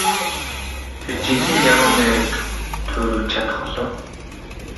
Тэр жинхэнэ яруу найраг туурвиж чадах болов уу?